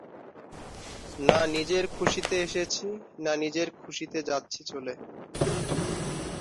তিনি কলা বিভাগ থেকে স্নাতক ডিগ্রি অর্জন করেছেন।